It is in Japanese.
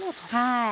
はい。